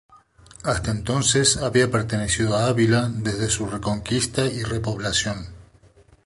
Hasta entonces había pertenecido a Ávila desde su reconquista y repoblación.